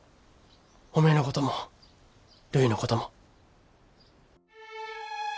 おめえのこともるいのことも。